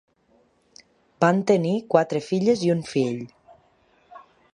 Van tenir quatre filles i un fill.